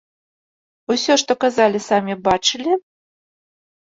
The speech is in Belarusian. Усё, што казалі, самі бачылі?